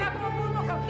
aku mau bunuh kau